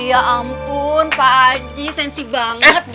ya ampun pak haji sensi banget deh